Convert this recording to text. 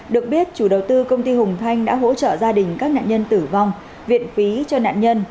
được biết chủ đầu tư công ty hùng thanh đã hỗ trợ gia đình các nạn nhân tử vong viện phí cho nạn nhân